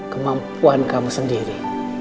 kemampuan kamu sendiri